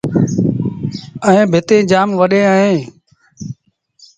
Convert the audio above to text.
ائيٚݩ ڀتيٚن جآم وڏيݩ اوهيݩ۔